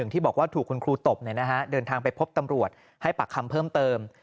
ที่บอกว่าถูกคุณครูตบเดินทางไปพบตำรวจให้ปากคำเพิ่มเติม